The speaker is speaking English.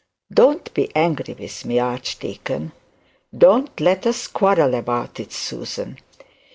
'Don't be angry with me, archdeacon; don't let us quarrel about it, Susan.